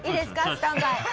スタンバイ。